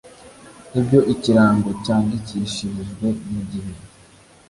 ibyo ikirango cyandikishirijwe mu gihe